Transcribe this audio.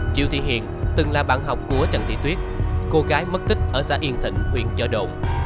triệu thị hiền từng là bạn học của trần thị tuyết cô gái mất tích ở xã yên thịnh huyện chợ đồn